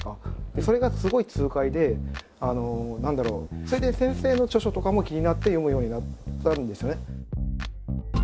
何だろうそれで先生の著書とかも気になって読むようになったんですよね。